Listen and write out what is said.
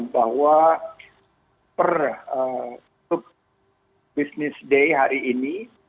bahwa per sub business day hari ini